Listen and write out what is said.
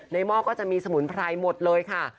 หม้อก็จะมีสมุนไพรหมดเลยค่ะ